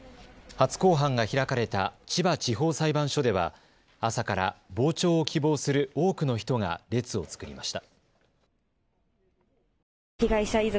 初公判が開かれた千葉地方裁判所では朝から傍聴を希望する多くの人が列を作りました。